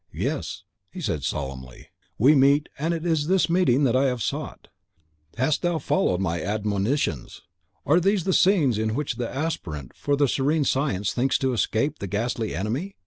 "'Yes,' he said solemnly, 'we meet, and it is this meeting that I have sought. How hast thou followed my admonitions! Are these the scenes in which the Aspirant for the Serene Science thinks to escape the Ghastly Enemy?